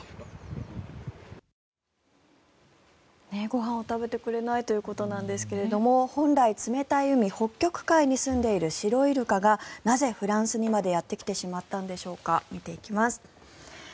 ご飯を食べてくれないということなんですけども本来、冷たい海北極海にすんでいるシロイルカがなぜ、フランスにまでやってきてしまったんでしょうか見ていきます。